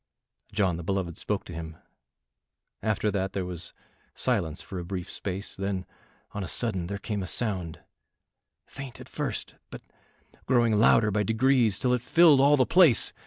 John the beloved spoke to him, after that there was silence for a brief space, then on a sudden there came a sound, faint at first, but growing louder by degrees till it filled all the place.